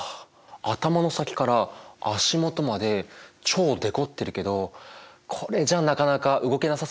頭の先から足元まで超デコってるけどこれじゃなかなか動けなさそうだよね。